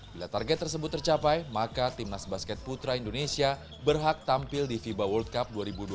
bila target tersebut tercapai maka timnas basket putra indonesia berhak tampil di fiba world cup dua ribu dua puluh